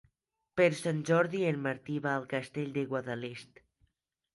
Per Sant Jordi en Martí va al Castell de Guadalest.